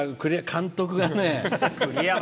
監督がね。